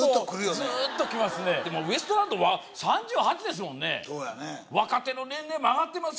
ずーっときますねでもウエストランドは３８ですもんね若手の年齢も上がってます